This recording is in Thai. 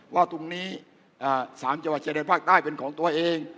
ว่าทุกนี้สามจะเจริญภาคใต้เป็นของตัวเอง